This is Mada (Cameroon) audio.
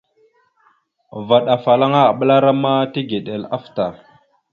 Vvaɗ afalaŋana aɓəlara ma tigəɗal afta.